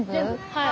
はい。